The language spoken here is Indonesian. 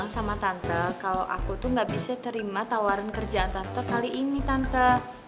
sama tante kalau aku tuh gak bisa terima tawaran kerjaan tante kali ini tante